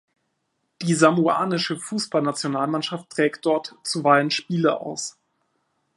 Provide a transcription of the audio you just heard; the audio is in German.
Die samoanische Fußballnationalmannschaft trägt dort zuweilen Spiele aus.